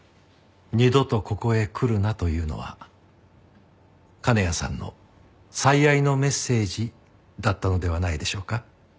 「二度とここへ来るな」というのは金谷さんの最愛のメッセージだったのではないでしょうか。